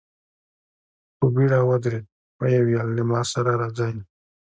په بېړه ودرېد، ويې ويل: له ما سره راځئ!